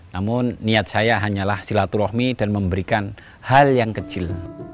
dan niat saya hanyalah silaturahmi dan memberikan hal yang kecil